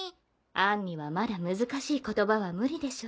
アンにはまだ難しい言葉は無理でしょ？